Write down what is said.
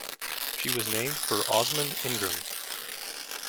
She was named for Osmond Ingram.